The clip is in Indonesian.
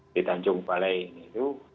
di tanjung balai itu